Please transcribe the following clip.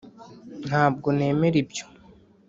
ntabwo nemera ibyo.